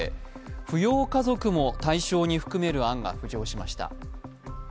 扶養家族も対象に含める案が浮上しました。